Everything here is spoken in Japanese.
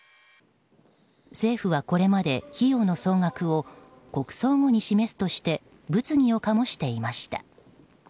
政府はこれまで、費用の総額を国葬後に示すとして物議を醸していました。